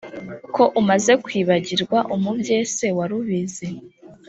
ko umaze kwibagirwa umubyeese wari ubizi